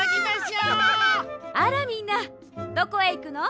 あらみんなどこへいくの？